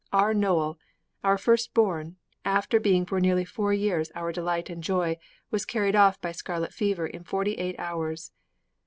'Our Noel, our firstborn, after being for nearly four years our delight and our joy, was carried off by scarlet fever in forty eight hours.